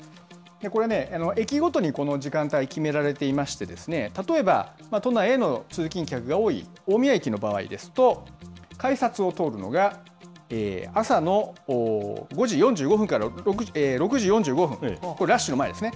これね、駅ごとにこの時間帯決められていまして、例えば都内への通勤客が多い大宮駅の場合ですと、改札を通るのが朝の５時４５分から６時４５分、これ、ラッシュの前ですね。